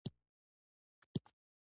که کوم ځای مو خوښ نه شو نو بدل یې کړئ.